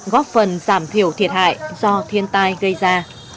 góp phần giảm thiểu thiệt hại do thiên tai gây ra